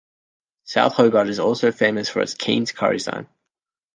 South Hobart is also famous for its Keen's Curry sign.